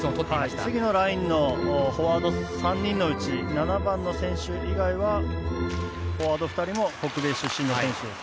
次のラインのフォワード３人のうち７番の選手以外はフォワード２人も北米の選手。